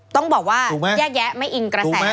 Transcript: ต้องบอกว่าแยกแยะไม่อิงกระแส